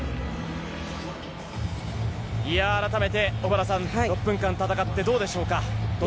いやぁ、改めて小原さん、６分間戦って、どうでしょうか？